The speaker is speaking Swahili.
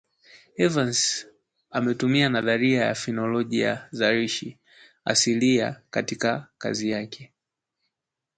Evans ametumia nadharia ya Fonolojia Zalishi Asilia katika kazi yake